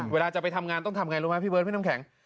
เวลาจะไปทำงานต้องทำไงรู้ไหมพี่เบิร์ดพี่น้ำแข็ง